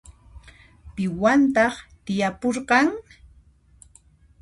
Piwantaq tiyapurqan?